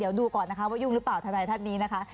อยู่หรือเปล่าทันัยทั้งนี้นะคะ